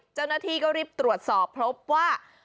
เจ้าหน้าที่ก็รีบตรวจสอบพบว่า